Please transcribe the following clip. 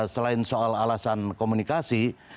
selain soal alasan komunikasi